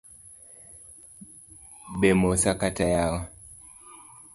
Bemosa kata yawa.